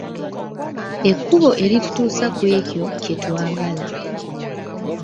Ekkubo eritutuusa ku ekyo kye twagala.